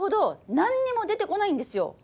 何にも出てこないんですよ。